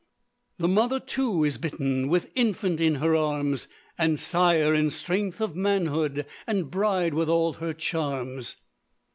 The mother, too, is bitten, With infant in her arms; And sire, in strength of manhood; And bride, with all her charms.